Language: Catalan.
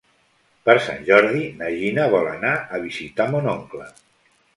Per Sant Jordi na Gina vol anar a visitar mon oncle.